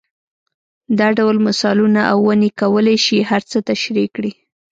دا ډول مثالونه او ونې کولای شي هر څه تشرېح کړي.